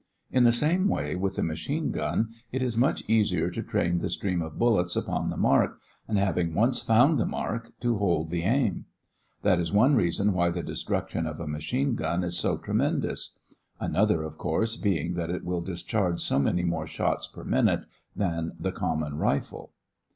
In the same way, with the machine gun, it is much easier to train the stream of bullets upon the mark, and, having once found the mark, to hold the aim. That is one reason why the destruction of a machine gun is so tremendous; another, of course, being that it will discharge so many more shots per minute than the common rifle.